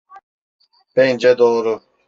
Bence doğru.